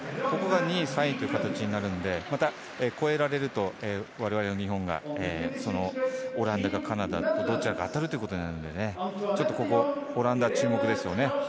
ここが２位３位という形になるのでまた、超えられるとわれわれの日本がオランダかカナダと当たるということなのでちょっと、オランダ注目です。